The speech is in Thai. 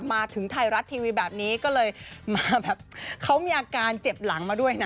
มาถึงไทยรัฐทีวีแบบนี้ก็เลยมาแบบเขามีอาการเจ็บหลังมาด้วยนะ